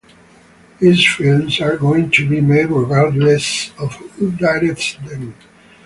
These films are going to be made regardless of who directs them.